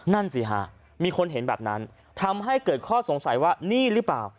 นั่นสิฮะมีคนเห็นแบบนั้นทำให้เกิดข้อสงสัยว่านี่หรือเปล่า